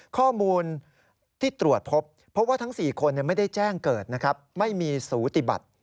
ข้อมูลที่ตรวจพบเพราะว่าทั้ง๔คนไม่ได้แจ้งเกิดนะครับไม่มีสูติบัติ